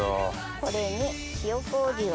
これに塩麹を。